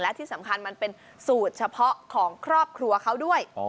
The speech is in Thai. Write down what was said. และที่สำคัญมันเป็นสูตรเฉพาะของครอบครัวเขาด้วย